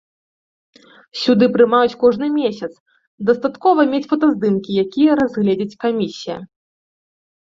Сюды прымаюць кожны месяц, дастаткова мець фотаздымкі, якія разгледзіць камісія.